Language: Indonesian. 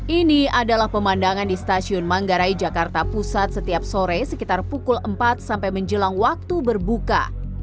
ini adalah pemandangan di stasiun manggarai jakarta pusat setiap sore sekitar pukul empat sampai menjelang waktu berbuka